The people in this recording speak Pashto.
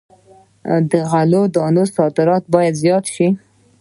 د غلو دانو صادرات باید زیات شي.